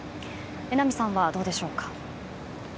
榎並さんはどうでしょうか？